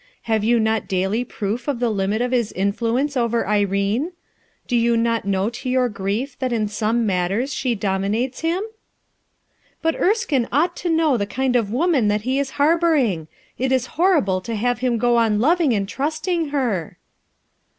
Have you not daily proof of the limit of his influence over Irene? Do you not know to your grief that in Home matters she dominates him?" "But Erskine ought to know the kind of woman that lie is harboring. It is horrible to have him go on loving and trusting her!"